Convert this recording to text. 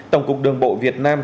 tổng cục đường bộ việt nam